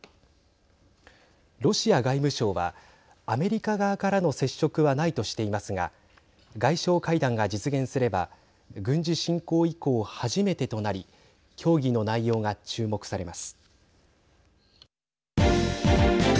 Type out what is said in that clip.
ロシア外務省はアメリカ側からの接触はないとしていますが外相会談が実現すれば軍事侵攻以降、初めてとなり協議の内容が注目されます。